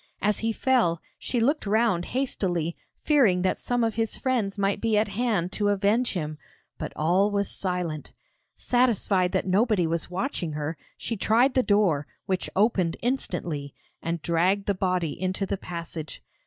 As he fell, she looked round hastily, fearing that some of his friends might be at hand to avenge him, but all was silent. Satisfied that nobody was watching her, she tried the door, which opened instantly, and dragged the body into the passage.